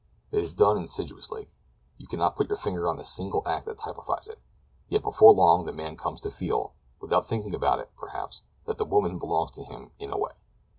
It is done insidiously; you cannot put your finger on a single act that typifies it; yet before long the man comes to feel, without thinking about it, perhaps, that the woman belongs to him in a way.